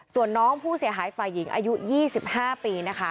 ส่วนน้องผู้เสียหายฝ่ายหญิงอายุ๒๕ปีนะคะ